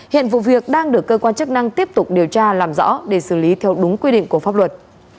hiện vụ việc đang được cơ quan chức năng tiếp tục điều tra làm rõ để xử lý theo đúng quy định của pháp luật